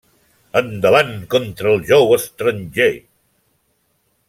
Endavant, contra el jou estranger!